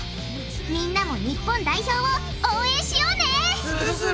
みんなも日本代表を応援しようねするする！